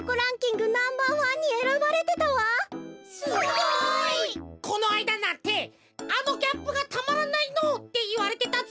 すごい！このあいだなんて「あのギャップがたまらないの」っていわれてたぜ。